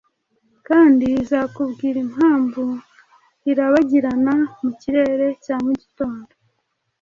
Kandi izakubwira impamvu irabagirana mu kirere cya mugitondo